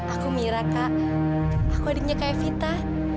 aku mira kak aku adiknya ke evita